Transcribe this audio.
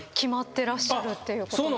てらっしゃるっていうことなんです。